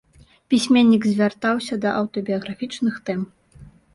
Пісьменнік звяртаўся да аўтабіяграфічных тэм.